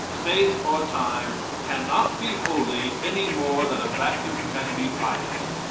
Space or time can not be holy any more than a vacuum can be pious.